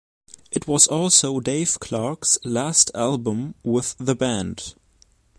It was also Dave Clark's last album with the band.